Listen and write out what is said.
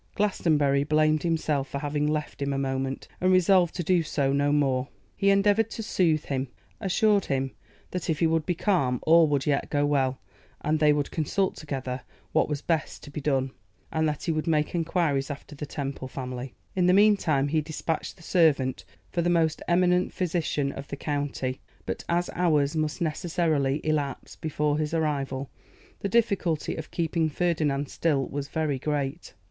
Glastonbury blamed himself for having left him a moment, and resolved to do so no more. He endeavoured to soothe him; assured him that if he would be calm all would yet go well; that they would consult together what was best to be done; and that he would make enquiries after the Temple family. In the meantime he despatched the servant for the most eminent physician of the county; but as hours must necessarily elapse before his arrival, the difficulty of keeping Ferdinand still was very great.